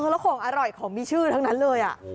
แล้วของอร่อยของมีชื่อทั้งนั้นเลย